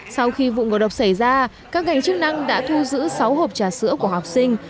sau khi vụ ngộ độc xảy ra các ngành chức năng đã thu giữ sáu hộp trà sữa của học sinh